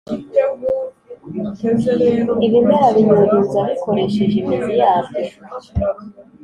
ibimera binyunyuza bikoresheje imizi yabyo.